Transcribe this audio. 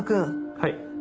はい。